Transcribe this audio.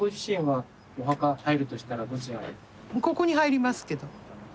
ここに入りますけど。